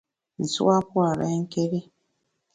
Nsu a pua’ renké́ri.